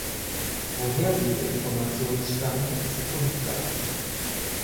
Woher diese Informationen stammen, ist unklar.